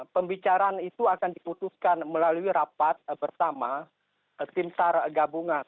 pembicaraan itu akan diputuskan melalui rapat bersama timsar gabungan